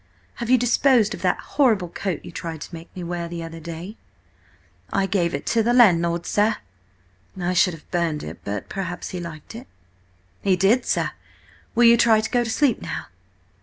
"Have you disposed of that horrible coat you tried to make me wear the other day?" "I gave it to the landlord, sir." "I should have burned it, but perhaps he liked it." "He did, sir. Will you try to go to sleep now?"